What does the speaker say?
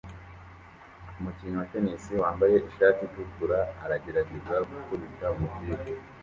Umukinnyi wa tennis wambaye ishati itukura aragerageza gukubita umupira